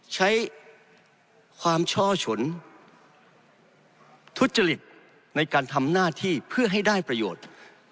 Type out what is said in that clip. ใช้ความช่อฉนทุจริตในการทำหน้าที่เพื่อให้ได้ประโยชน์